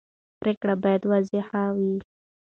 پرېکړې باید واضح وي